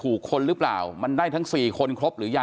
กลุ่มวัยรุ่นกลัวว่าจะไม่ได้รับความเป็นธรรมทางด้านคดีจะคืบหน้า